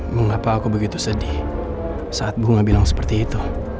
mengapa aku begitu sedih saat bunga bilang seperti itu